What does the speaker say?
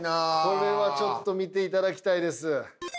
これはちょっと見ていただきたいです。